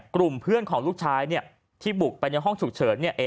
กลุ่มเพื่อนของลูกชายเนี่ยที่บุกไปในห้องฉุกเฉินเนี่ย